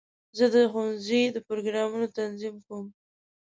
زه د ښوونځي د پروګرامونو تنظیم کوم.